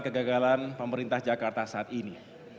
kegagalan pemerintah jakarta saat ini